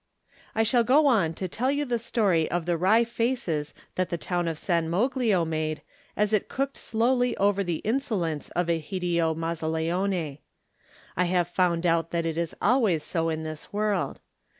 I shall go on to tell you of the wry faces that the town of San Moglio made as it cooked slowly over the insolence of Egidio Mazzaleone. I have found out that it is always so in this world.